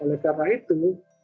oleh karena itu